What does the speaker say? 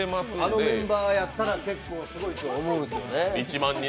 あのメンバーやったら結構すごいと思うしね。